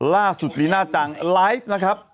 ล่าสุดลีน่าจังไลฟ์นะครับ